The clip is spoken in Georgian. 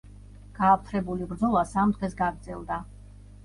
გააფთრებული ბრძოლა სამ დღეს გაგრძელდა.